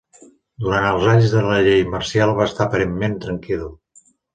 Durant els anys de la llei marcial va estar aparentment tranquil.